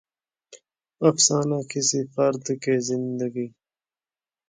افسانہ کسی فرد کے زندگی